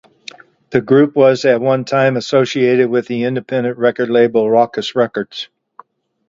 The group was at one time associated with the independent record label Rawkus Records.